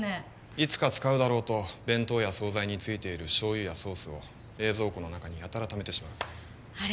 いつか使うだろうと弁当や惣菜についている醤油やソースを冷蔵庫の中にやたらためてしまうあれ